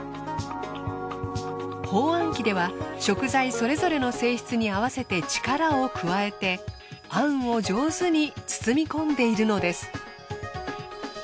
包あん機では食材それぞれの性質に合わせて力を加えてあんを上手に包み込んでいるのです。